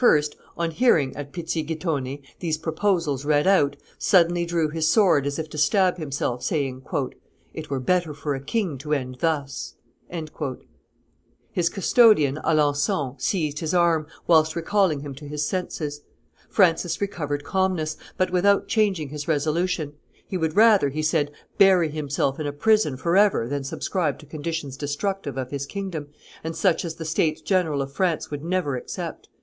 on hearing, at Pizzighittone, these proposals read out, suddenly drew his sword as if to stab himself, saying, "It were better for a king to end thus." His custodian, Alancon, seized his arm, whilst recalling him to his senses. Francis recovered calmness, but without changing his resolution; he would rather, he said, bury himself in a prison forever than subscribe to conditions destructive of his kingdom, and such as the States General of France would never accept.